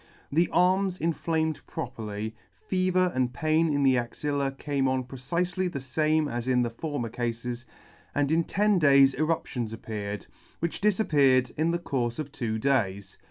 The arms inflamed properly, fever and pain in the axilla came on precifely the fame as in the former cafes, and in ten days eruptions appeared, which difap peared in the courfe of two days.